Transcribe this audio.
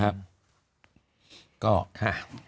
แบบนี้